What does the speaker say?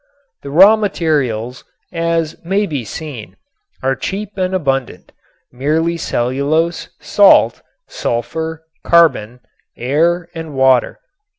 The raw materials, as may be seen, are cheap and abundant, merely cellulose, salt, sulfur, carbon, air and water.